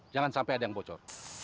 jangan sampai ada yang bocor